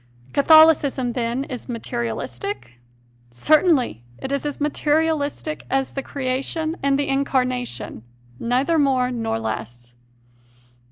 Catholicism, then, is "materialistic?" Certainly; it is as materialistic 156 CONFESSIONS OF A CONVERT as the Creation and the Incarnation, neither more nor less.